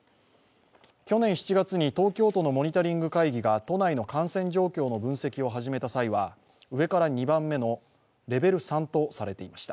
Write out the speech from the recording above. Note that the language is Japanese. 去年７月に東京都のモニタリング会議が都内の感染状況の分析を始めた際には上から２番目のレベル３とされていました。